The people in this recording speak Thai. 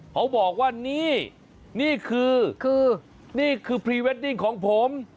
เขาบอกว่านี่นี่คือนี่คือพรีเวดดิ้งของผม